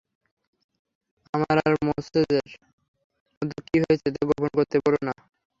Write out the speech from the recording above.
আমার আর মোজেসের মধ্যে কী হয়েছে, তা গোপন করতে বোলো না।